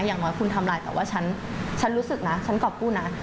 อย่างน้อยคุณทำไลน์แต่ว่าฉันรู้สึกนะฉันกรอบกู้นะ